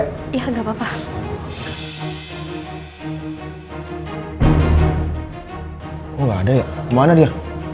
kok gak ada ya kemana dia